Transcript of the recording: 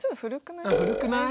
古くない？